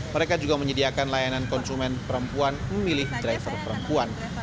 mereka juga menyediakan layanan konsumen perempuan memilih driver perempuan